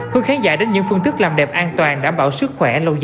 hướng khán giả đến những phương thức làm đẹp an toàn đảm bảo sức khỏe lâu dài